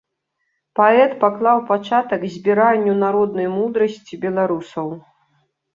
Паэт паклаў пачатак збіранню народнай мудрасці беларусаў.